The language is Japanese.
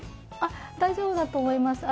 大丈夫だと思います。